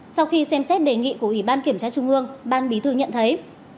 sau khi xem xét đề nghị của ủy ban kiểm tra trung ương ban bí thư nhận thấy